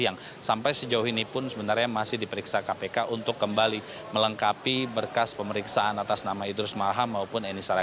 yang sampai sejauh ini pun sebenarnya masih diperiksa kpk untuk kembali melengkapi berkas pemeriksaan